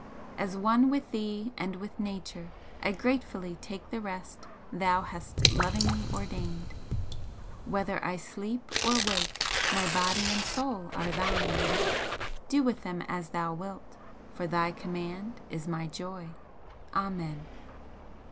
As one with Thee and with Nature I gratefully take the rest Thou hast lovingly ordained. Whether I sleep or wake my body and soul are Thine. Do with them as Thou wilt, for Thy command is my joy. Amen.